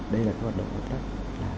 đây là cái hoạt động động đất